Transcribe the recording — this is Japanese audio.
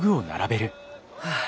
はあ。